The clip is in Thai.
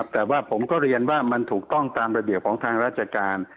แต่ว่าผมก็เรียนว่ามันถูกต้องตามระเบียบของทางราชการ